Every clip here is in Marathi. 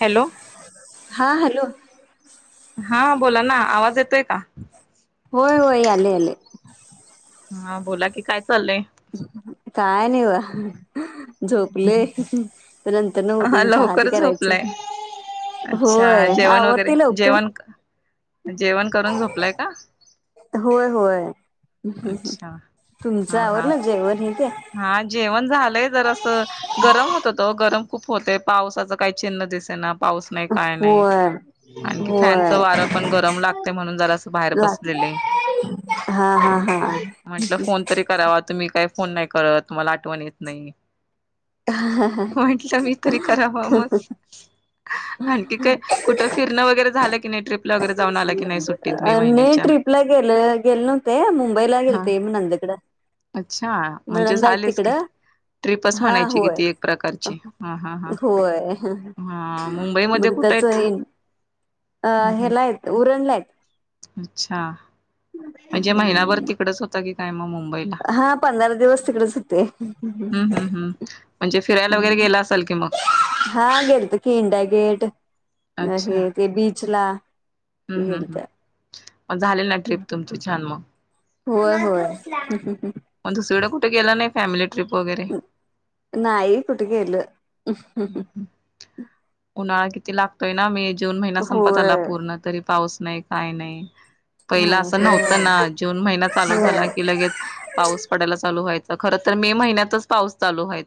हॅलो. हा हॅलो. हा बोला ना आवाज येतोय का? होय होय यालय यालय. हा बोला की काय चाललंय? काय नाही बघा. झोपलोय, नंतर न हा उठून चहा ते लवकर करायच. झोपलाय अच्छा जेवण वगैरे जेवण, जेवण करून झोपलाय का? होय होय, हम्म, अच्छा तुमच हा हा आवरलं जेवण हे ते. हा जेवण झालंय जरासं गरम होत तो गरम खूप होते पावसाचं काही चिन्ह दिसे ना पाऊस नाही काय नाही. होय आणखी फॅनच होय वारं पण गरम लागतय म्हणून जरास बाहेर ला बसलेले. हा हा हा म्हंटलं फोन तरी करावा तुम्ही काय फोन नाही करत तूमला आठवण येत नाही. म्हटलं मी तरी कराव मग. आणखी काय, कुठं फिरणं वगैरे झालं की नाही ट्रिपला वगैरे जा नाही ट्रीपला गेलं गेले नव्हते मुंबईला हा गेलते म नंनदेकड. अच्छा! म्हणजे झालेच की. ट्रिपच हा म्हणायची कि होय ती एक प्रकारची हा हा हा हा मुंबईमध्ये कुठे आहेत त्याचंयेन अ हम्म, हेला हम्म. हायत उरणलायात. अच्छा म्हणजे महिनाभर तिकडेच होता की काय मग मुंबई ला हा पंधरा दिवस तिकडेच होते हम्म हम्म हम्म म्हणजे फिरायला वगैरे गेला असाल कि मग? हा गेलतो की इंडिया गेट अच्छा हे ते बीच ला. हम्म हम्म गेलत हम्म मग झाले ना ट्रीप तुमची छान मग? होय होय हम्म हम्म हम्म. मग दुसरी कडे कुठे गेला नाही फॅमिली ट्रीप वगैरे? नाही कुठं गेलं. हम्म, हम्म. उन्हाळा किती लागतोय ना मे, जून महिना संपत होय आला पूर्ण तरी पाऊस नाही काय नाय. पहिला असं नाही नव्हतं ना जून महिना चालू होय झाला की लगेच पाऊस पडायला चालू व्हायचं खरं तर मे महिन्यातच पाऊस चालू व्हाय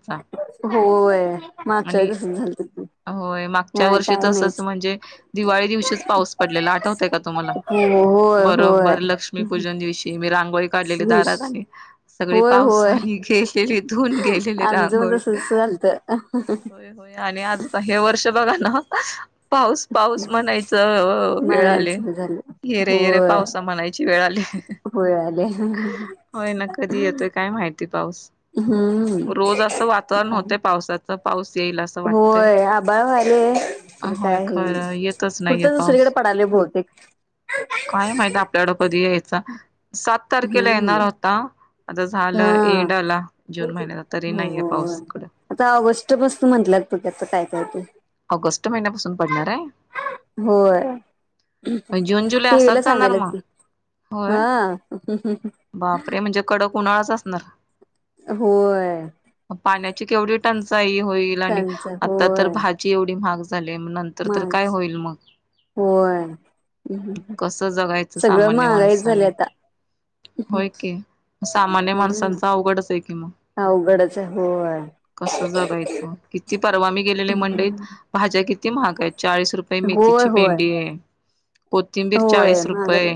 होय मागच्या वेळी तसंच झालतं ते. होय मागच्या वर्षी तसंच म्हणजे दिवाळी दिवशीच पाऊस पडलेला आठवतय का तुम्हाला? हो होय होय बरोबर लक्ष्मीपूजन दिवशी मी रांगोळी काढलेले दिवस दारात आणि सगळी होय होय पावसाने गेलेले धुवून गेलेले रांगोळी. अ होय होय आणि आज आता हे वर्ष बघा ना पाऊस पाऊस म्हणायचं ओ वेळ आले. मनायचं झालं येरे येरे होय पावसा म्हणायची वेळ आली. होय आले होय ना कधी येतोय काय माहिती पाऊस. हम्म रोज असं वातावरण होतंय पावसाच पाऊस येईल असं वाट होय आबाळ व्हायलय खरं होय काय खरं येतच नाहीये कुठतं दुसरीकडे पाऊस. पडालय बहतेक. काय माहिती आपल्याकड कधी यायचा सात तारखेला येणार हम्म होता आता हा झालं एंड आला जून महिन्या नंतर तरी नाहीय हो पाऊस इकडं. आता ऑगस्ट पासून म्हटल्यात बघू आता काय करतोय. ऑगस्ट महिन्यापासून पडणार आहे? होय. जून जुलै असाच टीव्हीला जाणार सांगाल्यात मग की होय. हा. बापरे! म्हणजे कडक उन्हाळाच असणार. होय. अ पाण्याची केवढी टंचाई होईल आणि त्यांच आता तर भाजी एवढी महाग झाली म नं माज होय. कस जगायचं सगळं सामान्य महागाईच झाले माणसाने? आता होय की. सामान्य हम्म माणसांच अवघडच आहे कि मग. अवघडच आहे होय कसं जगायचं किती परवा मी गेलेले मंडईत भाज्या किती महाग हायत चाळीस रुपये होय मेथीची होय पेंडी हाय. कोथिंबीर होय चाळीस रुपये महागच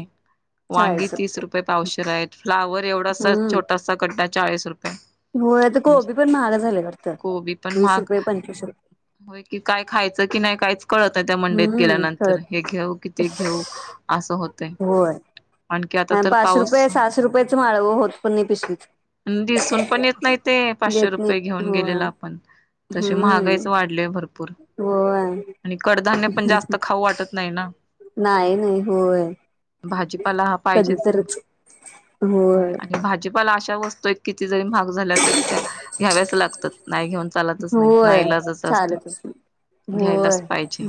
वांगी तीस रुपये पावशर आहेत फ्लावर एवढासा हम्म छोटासा कट्टा चाळीस रुपये. होय आता म्हणजे कोबी पण महाग झाले वाटतं कोबी पण वीस महाग रुपये पंचवीस रुप होय की काय खायचं की नाही काहीच कळत नाही त्या मंडीत हम्म गेल्यानंतर कळत हे घेऊ कि ते घेऊ असं होतंय. आणखी आता अन तर पाचशे पाऊस रुपये सहाशे रुपयेच माळव होत पण नाही पिशवीत. अन दिसून पण येत नाही ते पाचशे नाही रुपये घेऊन होय. गेलेले आपण तशी हम्म महागाईच वा ढले भरपूर होय आणि कडधान्य पण जास्त खाऊ वाटत नाही ना. नाही नाही होय. भाजीपाला हा कधी पाहिजेच की तरच होय. भाजीपाला अशा वस्तू आहेत किती जरी महाग झाला तरी त्या घ्याव्याच लागतात नाही घेऊन चालतच नाही होय नाईलाजच असतोय चालतच नाही. होय घ्यायलाच पाहिजे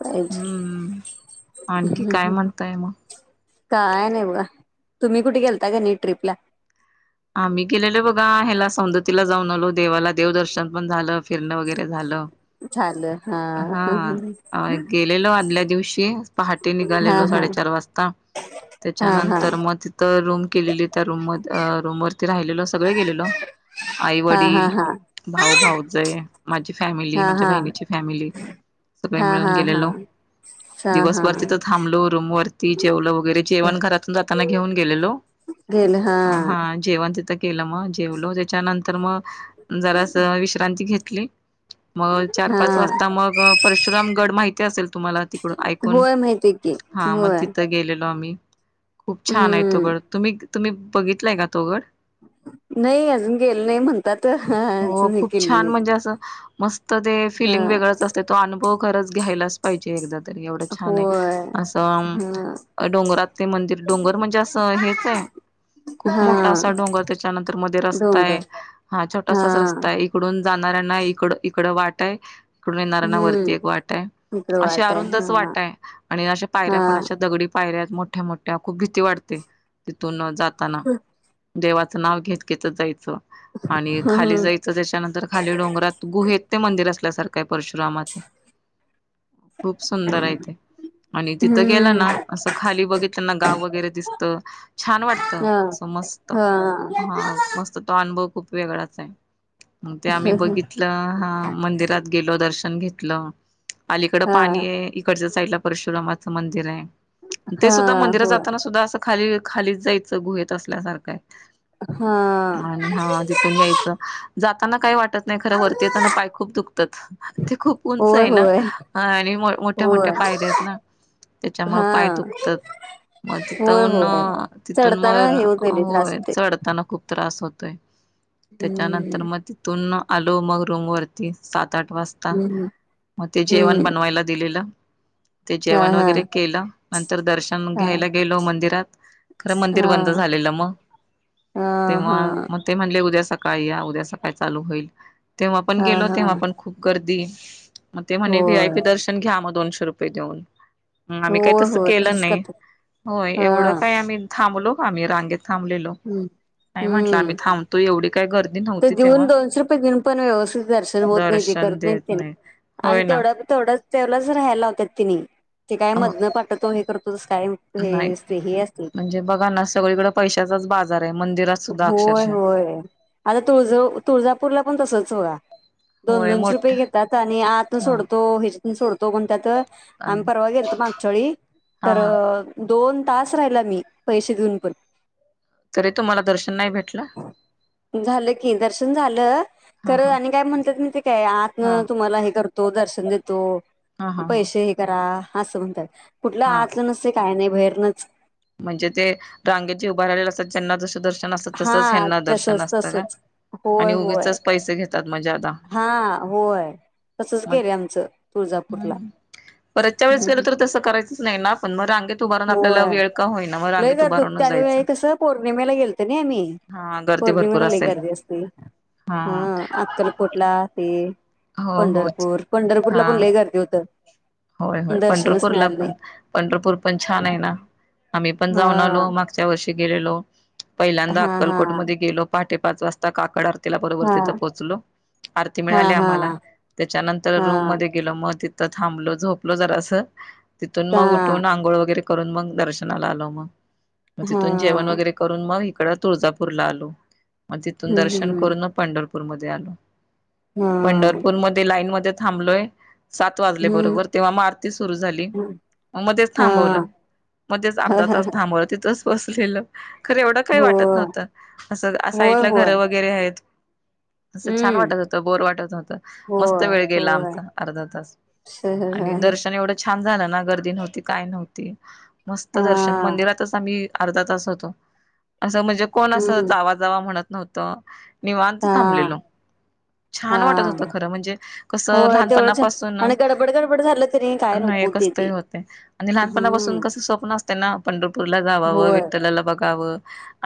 पाहिजे हम्म. आणखी काय म्हणताय म? काय नाही बघा, तुम्ही कुठे गेलता का नाही ट्रिपला? आम्ही गेलेलो बघा ह्याला सौंदतीला जाऊन आलो देवाला देवदर्शन पण झालं, फिरणं वगैरे झालं. हा अ गेलेलो आदल्या दिवशी पहाटे हा निघालेलो हा साडेचार वाज ता हा हा त्याच्यानंतर म तिथं रूम केलेली त्या रूम मद अ रूमवर ती राहिलेलो सगळे गेलेलो आई हा हा हा वडील, हा भाऊ-भाऊजय, माझी फॅमिली, हा हा माझ्या हा बहिणीची फॅमिली, सगळे हा मिळून हा हा गेलेलो. चा हा दिवसभर तिथं थांबलो रूम वरती जेवलो वगैरे जेवण घरातून जाताना घेऊन गेलेलो. गेल हा. जेवण तिथं केलं म जेवलो त्याच्यानंतर म जरास विश्रांती घेतली. म चार हा पाच वाजता मग परशुराम गड माहिती असेल तुम्हाला तिकड ऐकून? होय माहिती की हा मग होय तिथं गेलेलो आम्ही. खूप छान आहे तो हम्म गड. तुम्ही तुम्ही बघितलाय का तो गड? नाही अजून गेलं नाही म्हणतात अजून गेली नाही. णजे आसं मस्त ते हा फिलिंग वेगळंच असत तो अनुभव खरंच घ्यायलाच पाहिजे एकदा तरी एवढं छान आहे होय आसं अं हा अ डोंगरात ते मंदिर डोंगर म्हणजे आसं हेच आहे हा मोठासा डोंगर त्याच्यानंतर मध्ये रस्ता आहे डोंगर हा छोटासाच रस्ता आहे इक डून जाणाऱ्यांना इकड इकड वाट आहे तीकडून येणाऱ्यांना वरती हम्म एक वाट आहे, इकड आशे वाट आहे अरुंदच हा वाट आहे आणि अशा पायऱ्या हा पण अशा दगडी पायऱ्या आहेत मोठ्या मोठ्या खूप भीती वाटते तिथून जाताना. हं. देवाचं नाव घेत घेतच जायचं आणि खाली हम्म जाय चं त्याच्यानंतर खाली डोंगरात गुहेत ते मंदिर असल्यासारखं आहे परशुरामाच. खूप सुंदर आहे ते. आणि तिथं गेलं हम्म ना असं खाली बघितलं ना गाव वगैरे दिसत छान वाटत हा सं. मस्त हा मस्त तो अनुभव खूप वेगळाच आहे मग ते आम्ही बघित ल हा मंदिरात गेलो दर्शन घेतलं आलीकड हा पाणी आहे इक कडच्या साईडला परशुरामाचं मंदिर आहे ते हा सुद्धा मंदिरात होय जाताना सुद्धा आसं खाली खालीचं जायचं गुहेत असल्यासारखं आहे. हा आणि हा तिथून याय च जाताना काय वाटतं नाही खरं वरती येतांना पाय खूप दुखतात, ते खूप उंच होय आहे ना होय आणि मो मो मोठ्या मोठ्या होय पायऱ्या आहेत ना. त्यांच्यामुळ पाय दुखतात हा म होय तिथून होय तिथून म चढताना हे होत गेले त्रास होय होते चढताना खूप त्रास होतोय, त्याच्यानंतर हम्म म ति थून आलो मग रूम वरती सात आठ वाज ता हम्म मग ते जेवण हम्म बनवायला दिलेलं. ते हा जेवण हा वगैरे केलं नंतर दर्शन हा घ्यायला गेलो मंदिरात खरं मंदिर हा बंद झालेलं म. हा तेव्हा हा म ते म्हणले उद्या सकाळी या उद्या सकाळी चालू होईल, तेव्हा पण हा गेलो हा तेव्हा पण खूप गर्दी मग ते म्हणे व्ही. आय. पी. होय दर्शन घ्या म दोनशे रुपये देऊन. हं आम्ही काय होय तसं होय केलं तसच नाही करतात होय हा एवढं काय आम्ही थांबलो आम्ही रांगेत थांबलेलो हम्म नाहीं म्हटलं आम्हीं हम्म थांबतो एवढी काही गर्दी ते नव्हती देऊन तेव्हा दोनशे रुपये देऊन पण व्यवस्थित दर्शन होतं नाही ते दर्शन करत नाही देत तेनी आणि होय ना तेवढ्या तेवढं तेलाच राहायला लावत्यात तिनी ते काय हो मधन पाठवतो हे करतो तसं काय हे नाहीच की असते हे असते म्हणजे बघा ना सगळीकड पैशांचाच बाजार आहे मंदिरांत सुद्धा अक्षरशः. व्हय आता तुळजा तुळजापूरला पण तसचं बघा. दोन होय दोनशे मोठ रुपये घेतात आणि आतू हा सोडतो ह्यांच्यातून सोडतो म्हणत्यात हा आम्ही परवा गेलतो मागच्यावेळी हा तरं दोन तासं राहिलो आम्ही पैसे देऊन पणं तरी तुम्हांला दर्शन नाही भेटलं झालं की दर्शन झालं हा खंर हा. आणि कायं म्हणतात माहिती आहे काय हा आतन तुम्हाला हे करत दर्शन देतो हा हा हा पैसे हे करा असं म्हणतात कुठंल हा आतलं काय नाही बाहेरनच म्हणजे ते रांगेत जे उभार राहिलेले असतात ज्यांना जसं दर्शन असतं हा तसंच हयांना दर्शन तसच असतं का तसच आणि उगीचचं पैसे घेतं त्यात मजात हां होय तसंच मग केलं आमचं तुळजापूरला हम्म परतच्या वेळेस गेलं हम्म. तरं तसं करायचच नाही ना आपण मग रांगेत उभं राहून होय आपल्याला वेळ का होईना मग लय रांगेत उभा गर्दी होती राहूनच त्या जायचं वेळेला कसं पौर्णिमेला गेलतो ना आम्ही हा हा गर्दी भरपूर पौर्णिमेला लय असेल गर्दी हा हा कोटला ते हो पंढरपूर पंढरपूरला पण हा लय गर्दी होती होय होय पंढरपूरला पण पंढरपूर पण छान आहे ना आम्ही पण जाऊन हा आलो मागच्या वर्षी गेलेलो पहिल्यादा हा हा अक्कलकोट मध्ये गेलो पहाटे पाच वाजता काकड आरती तिला बरोबर हा तिथं पोहोचलो आरती हा मिळाली हा आम्हाला त्यांच्यानंतर हा रूममध्ये गेलो मग तिथं थांबलो झोपलो जरास तीथून मग हा उठून आंघोळ वगैरे केली करुन मग दर्शनाला आलो मग तिथून जेवण हा वगैरे करुन मग इकडं तुळजापूरला आलो मग तिथून हम्म दर्शन हम्म करून मग पंढरपूरमध्ये आलो हा पंढरपूरमध्ये लाईन मध्ये थांबलोय सात वाजले बरोबर हम्म तेव्हा मग आरती सुरू झाली मग मध्येच थांबवल हा मध्येच अर्धा तास थांबवल तिथच बसलेल खर एवढं काही वाटतं होय नव्हतं असं होय साईडला होय घरं वगैरे आहेत असं छान हम्म वाटतं होतं बोर वाटतं नव्हतं मस्त होय वेळ गेला होय आमचा अर्धा तास शहर आणि दर्शन एवढं छान झालं ना गर्दी नव्हती काय नव्हती मस्त हा दर्शन मंदिरातचं आम्ही अर्धा तास होतो असं म्हणजे कोण असं हम्म जावा जावा म्हणतं नव्हतं निवांत हा थांबलेलो छान वाटतं हा होतं खरं म्हणजे कसं होय तेवढंच लहानपणापासून आणि गडबड गडबड झालं तरी काय नाही नको ते ते कसतरी होतंय आणि लहानपणापासून हम्म कसं स्वप्न असते ना पंढरपूरला जावाव होय विठ्ठलाला बघावं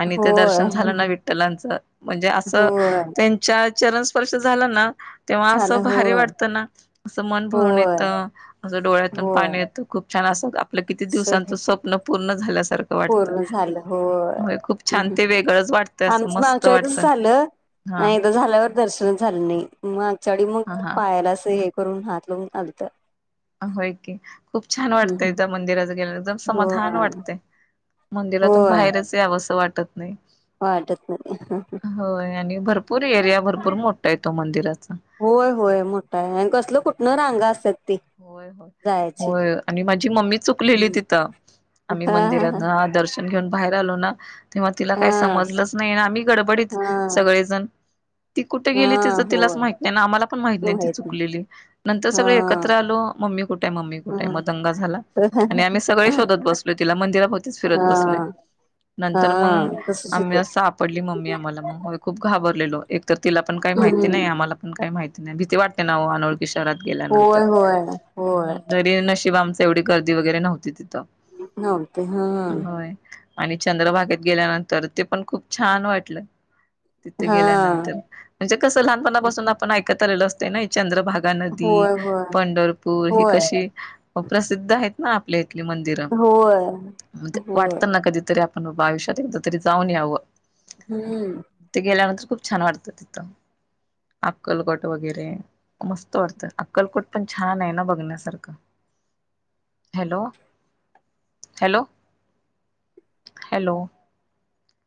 आणि ते होय दर्शन झालं ना विठ्ठलाच म्हणजे असं होय त्यांच्या चरण स्पर्श झाला ना तेव्हा असं झालं भारी होय वाटतं ना असं मन भरून येत होय त असं डोळ्यातून होय पाणी येतं खूप छान असं आपलं किती दिवसांचं सगळं स्वप्न पूर्ण झाल्यासारखं वाटतं. पूर्ण झालं होय खूप छान हम्मं ते वेगळंच वाटतं असं आमचं मस्त मागच्या वेळी वाटतं कसं झालं हा नाही एकदा झाल्यावर दर्शनचं झालं नाही मग मागच्यावेळी मग हा हा. पायला असं हे दूरून हात लावून आलत होय की, खूप छान हम्म वाटतंय त्या मंदिरात गेल्यावर एकदम समाधान होय वाटतंय. मंदिरातून होय बाहेरच यावस वाटत नाही. वाटत नाही होय आणि भरपूर एरिया भरपूर मोठा आहे तो मंदिराचा. होय होय मोठा आहे आणि कसलं कुठनं रांगा असत्यात. होय होय होय आणि माझी मम्मी चुकलेली हा तिथं. आम्ही मंदिरात हा दर्शन न घेऊन बाहेर आलो ना तेव्हा तिला काही हा समजलंच नाही आम्ही गडबडीत हा सगळेजण ती कुठं हा गेली तिचं तिलाच होय माहित नाही ना आम्हाला पण माहित नाही ती चुकलेली नंतर हा सगळे एकत्र आलो, मम्मी कुठंय? मम्मी कुठंय? हा मग दंगा झाला आणि आम्ही सगळे शोधत बसलो तिला मंदिराभोवतीच फिरत बसलोय हा हा नंतर मग तसच आम्ही होते अस सापडली मम्मी आम्हाला मग खूप घाबरलेलो एक तर तिला पण काही माहिती नाही हम्म आम्हाला पण काही माहिती नाही भीती वाटते ना ओ अनोळखी शहरात गेल्यानंतर होय होय होय हम् तरी नशिब आमचं एवढी गर्दी वगैरे नव्हती तिथं. नव्हती हं हं. होय आणि चंद्रभागेत गेल्यानंतर ते पण खूप छान वाटलं. तिथे हा गेल्यानंतर, म्हणजे कसं लहानपणापासून आपण ऐकत आलेलो अस ते नाही चंद्रभागा नदी होय होय पंढरपूर ही होय कशी म प्रसिद्ध आहेत ना आपल्या इथंली मंदिर, होय होय वाटतं ना कधीतरी आप ण आयुष्यात एकदा तरी जाऊन यावं. [unintelligible] हम्म. ते गेल्यानंतर खूप छान वाटतं तिथं. अक्कलकोट वगैरे मस्त वाटतं, अक्कलकोट पण छान आहे ना बघण्यासारखं. Hello hello hello.